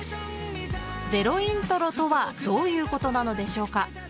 ゼロイントロとはどういうことなのでしょうか？